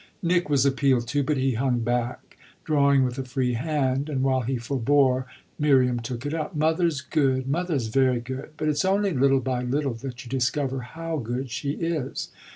Nick was appealed to, but he hung back, drawing with a free hand, and while he forbore Miriam took it up. "Mother's good mother's very good; but it's only little by little that you discover how good she is."